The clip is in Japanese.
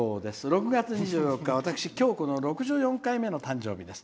６月２４日は私、きょうこの６４回目の誕生日です。